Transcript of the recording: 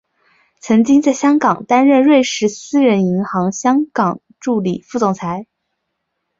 曾经在香港担任瑞士私人银行香港助理副总裁。